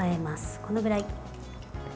このぐらい。